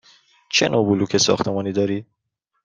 چه نوع بلوک ساختمانی دارید؟